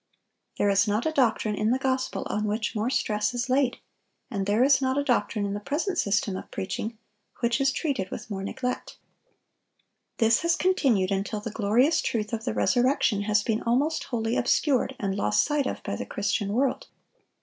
There is not a doctrine in the gospel on which more stress is laid; and there is not a doctrine in the present system of preaching which is treated with more neglect!"(969) This has continued until the glorious truth of the resurrection has been almost wholly obscured, and lost sight of by the Christian world.